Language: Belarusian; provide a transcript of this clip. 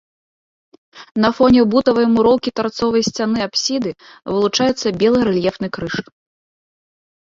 На фоне бутавай муроўкі тарцовай сцяны апсіды вылучаецца белы рэльефны крыж.